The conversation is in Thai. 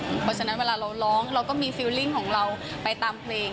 เพราะฉะนั้นเวลาเราร้องเราก็มีฟิลลิ่งของเราไปตามเพลง